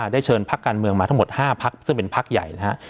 ได้เชิญพักการเมืองมาทั้งหมด๕พักซึ่งเป็นพักใหญ่นะครับ